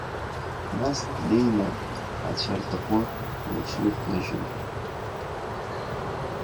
Нас днеины ацәардаӷәы лыҽлықәлыжьын…